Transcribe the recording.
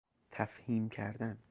تفهیم کردن